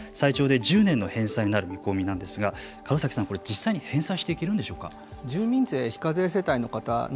最長で１０年の返済になる見込みなんですが角崎さん、実際に返済していけるんでしょうか。